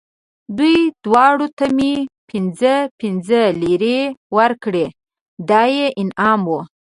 دوی دواړو ته مې پنځه پنځه لېرې ورکړې، دا یې انعام و.